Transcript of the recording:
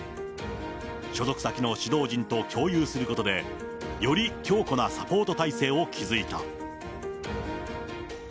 所属先の指導陣と共有することで、より強固なサポート体制を築いた。